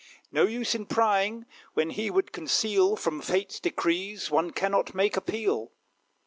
No use in prying, when he would conceal; From Fate's decrees one cannot make appeal.